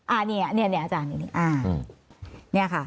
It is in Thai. อ่าเนี่ยเนี่ยเนี่ยอาจารย์เนี่ยค่ะ